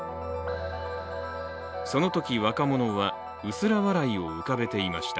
そのとき若者は、薄ら笑いを浮かべていました。